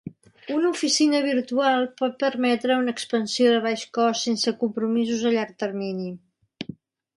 Una oficina virtual pot permetre una expansió de baix cost sense compromisos a llarg termini.